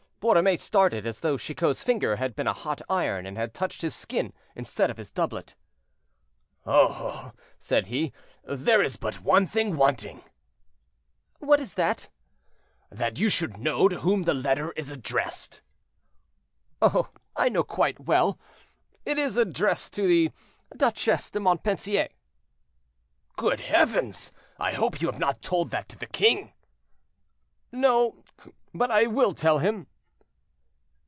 Borromée started, as though Chicot's finger had been a hot iron, and had touched his skin instead of his doublet. "Oh, oh!" said he, "there is but one thing wanting." "What is that?" "That you should know to whom the letter is addressed." "Oh, I know quite well; it is addressed to the Duchesse de Montpensier." "Good heavens! I hope you have not told that to the king." "No; but I will tell him."